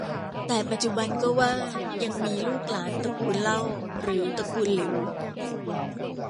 แต่ปัจจุบันก็ว่ายังมีลูกหลานตระกูลเล่า หรือตระกูลหลิว